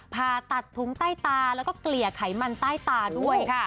ผ่าตัดถุงใต้ตาแล้วก็เกลี่ยไขมันใต้ตาด้วยค่ะ